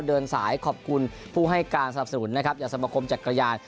เดินสายขอบคุณผู้ให้การสนับสนุนนะครับอย่างสมคมจักรยาน